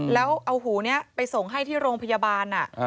แล้วเอาหูนี้ไปส่งให้ที่โรงพยาบาล